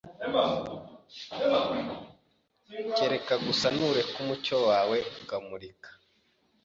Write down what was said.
keretse gusa nureka umucyo wawe ukamurika,